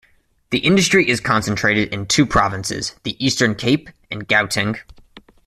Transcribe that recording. The industry is concentrated in two provinces, the Eastern Cape and Gauteng.